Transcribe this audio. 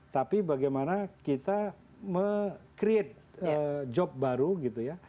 tapi bagaimana kita membuat job baru gitu ya